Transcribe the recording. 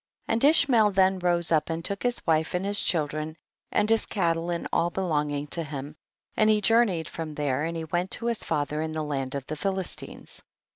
And Ishmael then rose up and took his wife and his children and his cattle and all belonging to him, and he journeyed from there and he went to his father in the land of the Philistines.